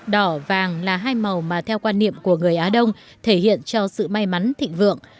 đỏ vàng là hai màu mà theo quan niệm của người á đông thể hiện cho sự may mắn thịnh vượng